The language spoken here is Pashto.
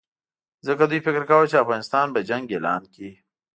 ځکه دوی فکر کاوه چې افغانستان به جنګ اعلان کړي.